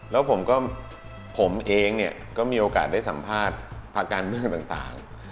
แล้วผมเองก็มีโอกาสได้สัมภาษณ์ภาคการเบื้องต่าง